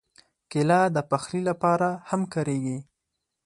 کېله د پخلي لپاره هم کارېږي.